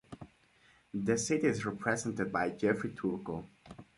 The seat is represented by Jeffrey Turco.